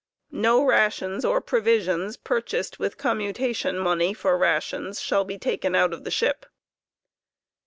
No rations or provisions purchased with com " mutation money for rations shall bejtaken out of the ship.